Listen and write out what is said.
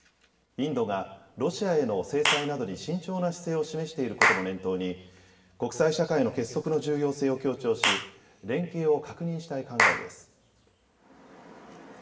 インドがロシアへの制裁などに慎重な姿勢を示していることも念頭に国際社会の結束の重要性を強調し、連携を確認したい考えです。